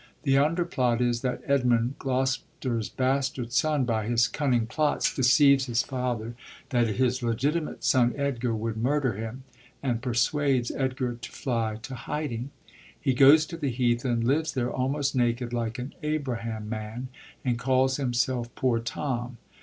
The underplot is, that Edmund, Gloster's bastard son, by his cunning plots deceives his father that his legitimate son, Edgar, would murder him, and persuades Edgar to fly to hiding. He goes to the heath, and lives there almost naked, like an 'Abraham man,* and calls himself Poor Tom.